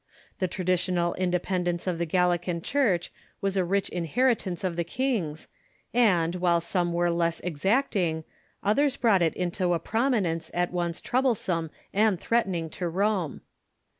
The traditional independence of the Gallican Church was a rich inheritance of the kings, and, while some were less ex acting, others brought it into a prominence at once troublesome and threatening to Rome.